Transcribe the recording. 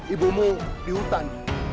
ibumu di hutan